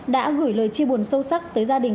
đã gửi lời chia buồn sâu sắc tới gia đình